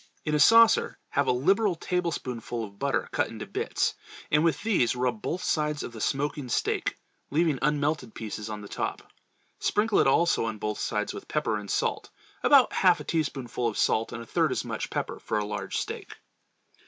In a saucer have a liberal tablespoonful of butter cut into bits, and with these rub both sides of the smoking steak, leaving unmelted pieces on the top. Sprinkle it also on both sides with pepper and salt—about half a teaspoonful of salt and a third as much pepper for a large steak.